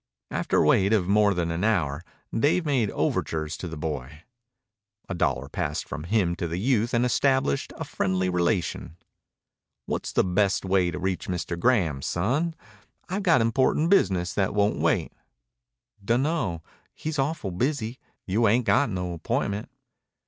After a wait of more than an hour Dave made overtures to the boy. A dollar passed from him to the youth and established a friendly relation. "What's the best way to reach Mr. Graham, son? I've got important business that won't wait." "Dunno. He's awful busy. You ain't got no appointment."